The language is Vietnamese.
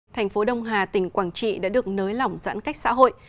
thành phố đông hà tỉnh quảng trị đã được nới lỏng giãn cách xã hội